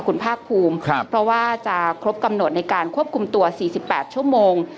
คุณภาคภูมิครับเพราะว่าจะครบกำหนดในการควบคุมตัว๔๘ชั่วโมง